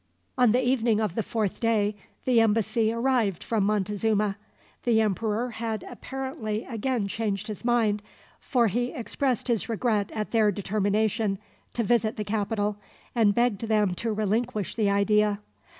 On the evening of the fourth day, the embassy arrived from Montezuma. The emperor had apparently again changed his mind, for he expressed his regret at their determination to visit the capital, and begged them to relinquish the idea.